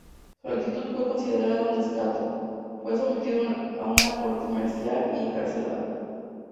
Su actitud fue considerada un desacato, fue sometido a una corte marcial y encarcelado.